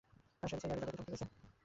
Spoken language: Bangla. আর শ্যাডিসাইড আগের যায়গাতেই থমকে আছে।